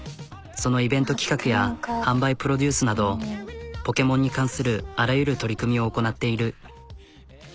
そのイベント企画や販売プロデュースなどポケモンに関するあらゆる取り組みを行なっている。